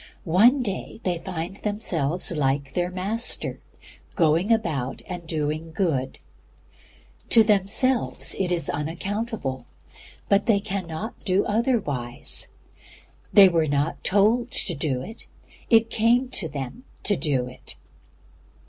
One day they find themselves like their Master, going about and doing good. To themselves it is unaccountable, but they cannot do otherwise. They were not told to do it, it came to them to do it.